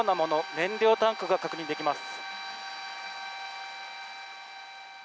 燃料タンクが確認できます。